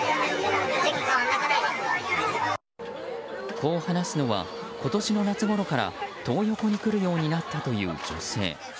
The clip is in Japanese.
こう話すのは今年の夏ごろからトー横に来るようになったという女性。